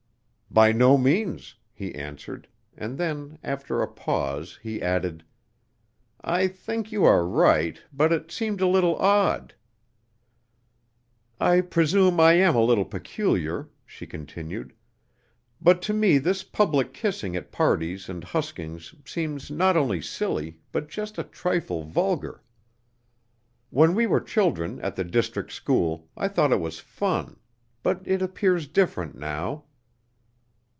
"By no means," he answered; and then, after a pause, he added: "I think you are right, but it seemed a little odd." "I presume I am a little peculiar," she continued, "but to me this public kissing at parties and huskings seems not only silly, but just a trifle vulgar. When we were children at the district school, I thought it was fun, but it appears different now."